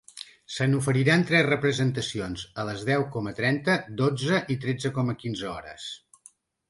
Se n’oferiran tres representacions, a les deu coma trenta, dotze i tretze coma quinze hores.